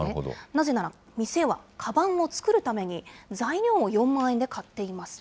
なぜなら、店はかばんを作るために、材料を４万円で買っています。